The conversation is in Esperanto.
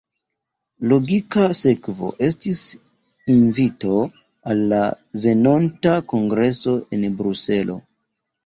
Logika sekvo estis invito al la venonta kongreso en Bruselo.